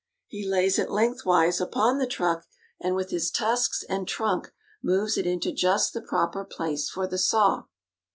He lays it lengthwise upon the truck, and with his tusks and trunk moves it into just the proper place for the saw.